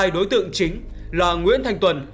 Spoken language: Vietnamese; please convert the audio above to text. hai đối tượng chính là nguyễn thành tuần